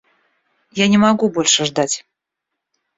Я не могу больше ждать.